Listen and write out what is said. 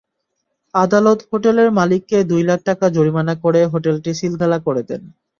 আদালত হোটেলের মালিককে দুই লাখ টাকা জরিমানা করে হোটেলটি সিলগালা করে দেন।